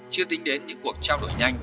chưa tính đến những cuộc trao đổi nhanh